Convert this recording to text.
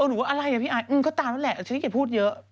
เออหนูว่าอะไรอ่ะพี่ไออืมก็ตามนั้นแหละชะลิกจะพูดเยอะ